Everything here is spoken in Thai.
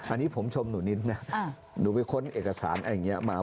อันนี้ผมชมหนูนิดนะหนูไปค้นเอกสารอะไรอย่างนี้มา